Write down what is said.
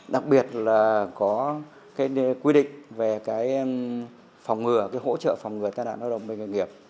đặc biệt là có cái quy định về cái phòng ngừa cái hỗ trợ phòng người tai nạn lao động bệnh nghề nghiệp